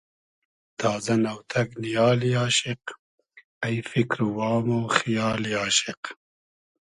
اݷ تازۂ ، نۆتئگ نیالی آشیق اݷ فیکر و وام و خیالی آشیق